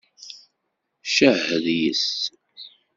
Cehhed yes-s!